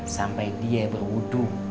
sampai dia berwudhu